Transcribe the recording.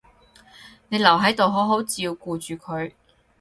你留喺度好好照顧住佢